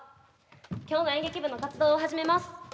今日の演劇部の活動を始めます。